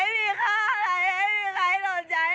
ชีวิตนี้มันหนาแม่เคยจิตยามาพอด้วยพ่อแม่ก็เลิก